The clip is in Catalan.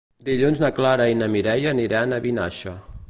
Dilluns na Clara i na Mireia aniran a Vinaixa.